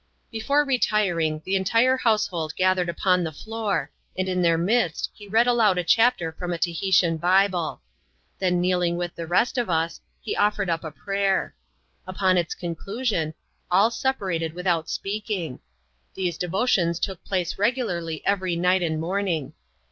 Before retiring, the entire household gathered upon the floor; and in their midst) he read aloud a chapter from a Tahitian Bible. Then kneeling with the rest of us, he offered op a prayer. Uponpts conclusion, all separated without speaking. These devotions took place regularly every night and morning.